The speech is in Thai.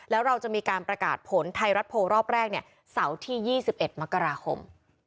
แล้วเราจะมีการประกาศผลไทยรัฐโพลรอบแรกเสาร์ที่๒๑มกราคม